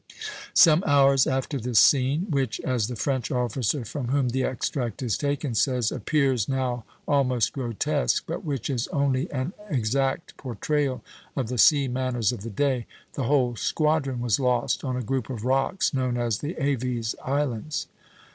" Some hours after this scene, which, as the French officer from whom the extract is taken says, "appears now almost grotesque, but which is only an exact portrayal of the sea manners of the day, the whole squadron was lost on a group of rocks known as the Aves Islands.